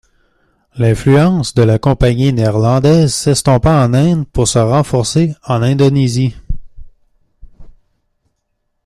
L'influence de la Compagnie néerlandaise s'estompa en Inde pour se renforcer en Indonésie.